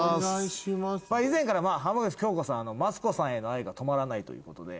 以前から浜口京子さんマツコさんへの愛が止まらないということで。